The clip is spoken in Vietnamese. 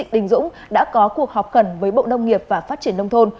đình dũng đã có cuộc họp khẩn với bộ đông nghiệp và phát triển đông thôn